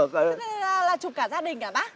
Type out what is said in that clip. thế là chụp cả gia đình hả bác